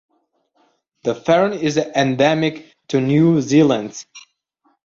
The fern is endemic to New Zealand.